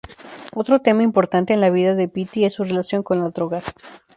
Otro tema importante en la vida de Pity es su relación con las drogas.